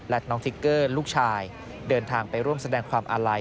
และน้องทิกเกอร์ลูกชายเดินทางไปร่วมแสดงความอาลัย